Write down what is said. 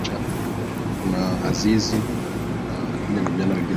uwiano wao ni thelathini na saba